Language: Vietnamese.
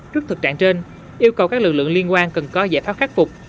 trước thực trạng trên yêu cầu các lực lượng liên quan cần có giải pháp khắc phục